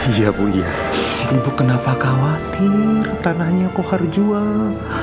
iya iya ibu kenapa khawatir tanahnya kohar jual